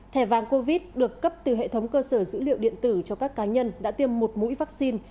thẻ vàng covid được cấp từ hệ thống cơ sở dữ liệu điện tử cho các cá nhân đã tiêm một mũi vaccine